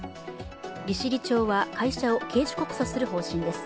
利尻町は会社を刑事告訴する方針です。